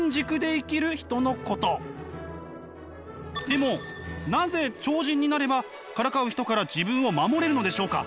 でもなぜ超人になればからかう人から自分を守れるのでしょうか？